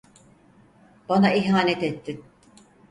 Bana ihanet ettin.